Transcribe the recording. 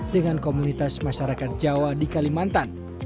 dengan komunitas masyarakat jawa di kalimantan